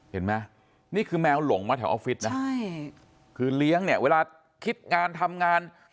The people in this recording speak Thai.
เห็นไหมนี่คือแมวหลงมาแถวออฟฟิศนะใช่คือเลี้ยงเนี่ยเวลาคิดงานทำงาน